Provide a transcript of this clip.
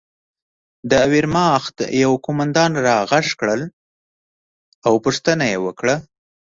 د ویرماخت یوه قومندان را غږ کړ او پوښتنه یې وکړه